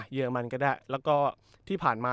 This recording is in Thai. เรมันก็ได้แล้วก็ที่ผ่านมา